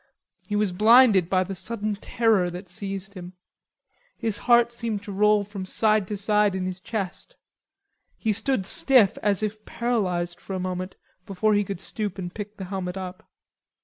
He was blinded by the sudden terror that seized him. His heart seemed to roll from side to side in his chest. He stood stiff, as if paralyzed for a moment before he could stoop and pick the helmet up.